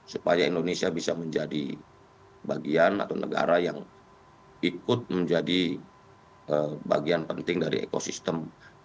supaya indonesia bisa menjadi bagian atau negara yang ikut menjadi bagian penting dari ekosistem